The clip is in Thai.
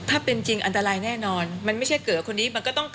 ถ้าเป็นจริงอันตรายแน่นอน